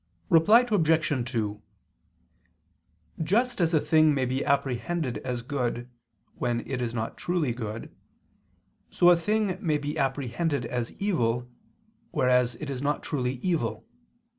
Reply Obj. 2: Just as a thing may be apprehended as good, when it is not truly good; so a thing may be apprehended as evil, whereas it is not truly evil.